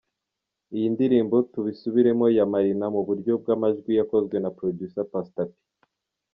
iyi ndirimbo 'Tubisubiremo' ya Marina mu buryo bw'amajwi yakozwe na Producer Pastor P.